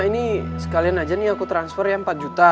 ini sekalian aja nih aku transfer ya empat juta